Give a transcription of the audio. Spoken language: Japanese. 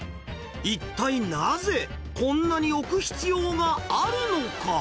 一体なぜ、こんなに置く必要があるのか。